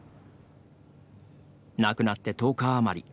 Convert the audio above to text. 亡くなって１０日余り。